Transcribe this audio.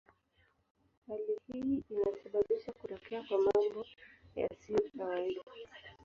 Hali hii inasababisha kutokea kwa mambo yasiyo kawaida.